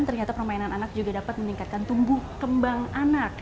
ternyata permainan anak juga dapat meningkatkan tumbuh kembang anak